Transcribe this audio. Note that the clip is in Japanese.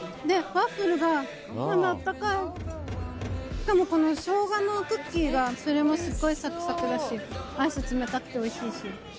しかもこのショウガのクッキーがそれもすっごいサクサクだしアイス冷たくておいしいし。